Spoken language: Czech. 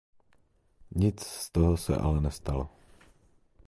Nic z toho se ale nestalo.